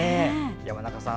山中さん